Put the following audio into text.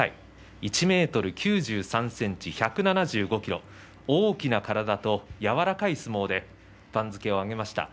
１ｍ９３ｃｍ、１７５ｋｇ大きな体と柔らかい相撲で番付を上げました。